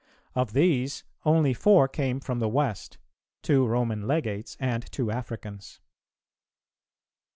Of these, only four came from the West, two Roman Legates and two Africans.